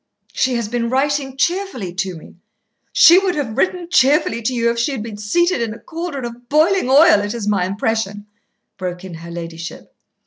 "She has been writing cheerfully to me " "She would have written cheerfully to you if she had been seated in a cauldron of boiling oil, it is my impression," broke in her ladyship.